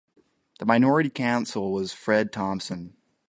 The minority counsel was Fred Thompson.